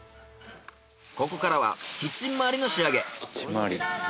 ここからはキッチン周りの仕上げ。